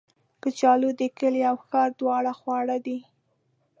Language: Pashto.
کچالو د کلي او ښار دواړو خواړه دي